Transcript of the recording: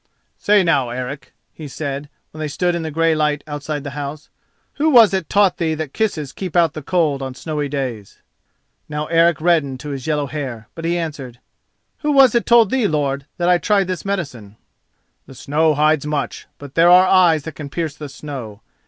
"Say now, Eric," he said, when they stood in the grey light outside the house, "who was it taught thee that kisses keep out the cold on snowy days?" Now Eric reddened to his yellow hair, but he answered: "Who was it told thee, lord, that I tried this medicine?" "The snow hides much, but there are eyes that can pierce the snow.